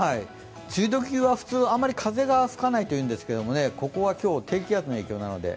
梅雨時は普通、あまり風が吹かないということなんですけどここは今日、低気圧の影響なので。